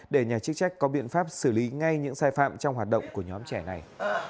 để nhà chức trách có biện pháp xử lý ngay những sai phạm trong hoạt động của nhóm trẻ này